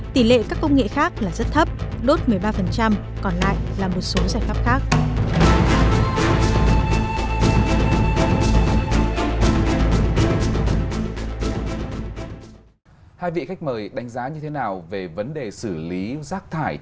tỷ lệ các công nghệ khác là rất thấp đốt một mươi ba còn lại là một số giải pháp khác